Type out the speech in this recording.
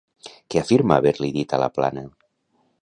Què afirma haver-li dit a Laplana?